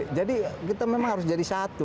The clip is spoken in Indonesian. kita memang harus jadi satu